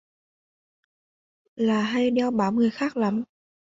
là hay đeo bám người khác lắm